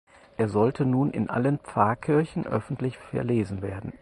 Er sollte nun in allen Pfarrkirchen öffentlich verlesen werden.